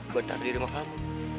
buat habe di rumah kamu